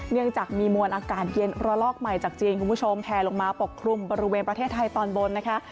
เนื่องจากมีมวลอากาศเย็นระลอกใหม่จากจีนคุณผู้ชมแพลลงมาปกคลุมบริเวณประเทศไทยตอนบนนะคะ